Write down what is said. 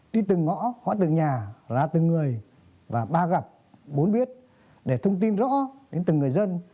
đi từng ngõ từng nhà ra từng người và ba gặp bốn biết để thông tin rõ đến từng người dân